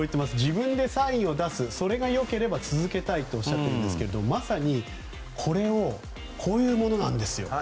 自分でサインを出すそれが良ければ続けたいとおっしゃっていますけどまさにこういうものなんですよ。